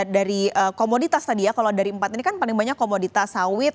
dari komoditas tadi ya kalau dari empat ini kan paling banyak komoditas sawit